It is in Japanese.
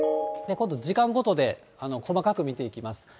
今度、時間ごとで細かく見ていきます。